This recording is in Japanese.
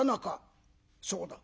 「そうだ。